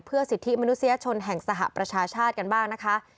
เพื่อสิทธิมนุษยชนแห่งสหประชาชาติกันบ้างนะคะ